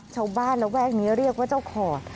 ชาวบ้านระแวกนี้เรียกว่าเจ้าขอด